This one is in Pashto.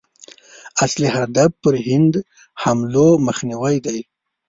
اصلي هدف پر هند حملو مخنیوی دی.